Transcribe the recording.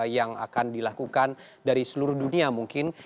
yang akan dilakukan dari seluruh dunia mungkin